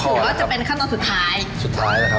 เดี๋ยวจะเป็นขั้นตอนสุดท้ายครับสุดท้ายนะครับ